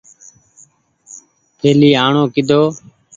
پهلي آڻو ڪيۮو۔